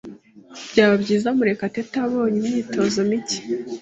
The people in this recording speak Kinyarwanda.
Byaba byiza Murekatete abonye imyitozo mike.